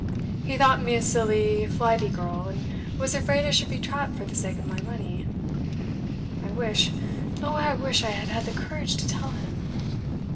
He thought me a silly, flighty girl, and was afraid I should be trapped for the sake of my money. I wish oh how I wish I had had the courage to tell him!